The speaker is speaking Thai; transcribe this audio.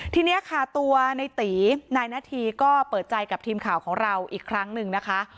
ทีนี้ค่ะตัวในตีนายนาธีก็เปิดใจกับทีมข่าวของเราอีกครั้งหนึ่งนะคะ